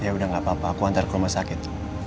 yaudah gak apa apa aku antar ke rumah sakit